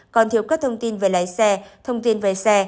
còn thiếu các thông tin về lái xe thông tin về xe